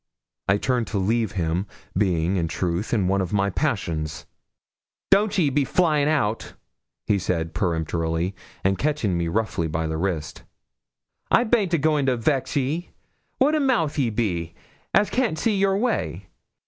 I turned to leave him, being, in truth, in one of my passions. 'Don't ye be a flying out,' he said peremptorily, and catching me roughly by the wrist, 'I baint a going to vex ye. What a mouth you be, as can't see your way!